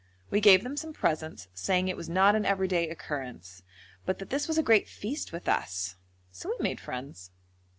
We gave them some presents, saying it was not an everyday occurrence, but that this was a great feast with us; so we made friends.